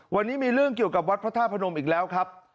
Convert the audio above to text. วันนี้มีเรื่องเกี่ยวกับวัดพระธาตุพนมอีกแล้วครับ